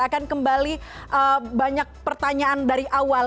akan kembali banyak pertanyaan dari awal